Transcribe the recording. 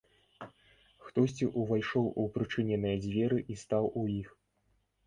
Хтосьці ўвайшоў у прычыненыя дзверы і стаў у іх.